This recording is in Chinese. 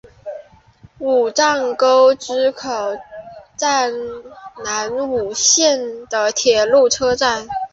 武藏沟之口站南武线的铁路车站。